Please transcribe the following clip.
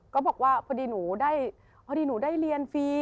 ก็บอกว่าพอดีหนูได้เรียนฟรี